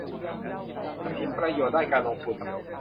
สิทธิประโยชน์ด้านการลงทุน